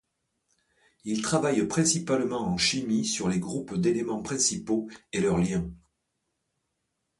Il travaille principalement en chimie sur les groupes d'éléments principaux et leur liens.